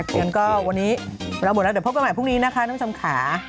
อย่างนั้นก็วันนี้เราหมดแล้วเดี๋ยวพบกันใหม่พรุ่งนี้นะคะน้องชมขา